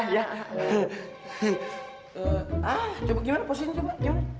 hah gimana posisinya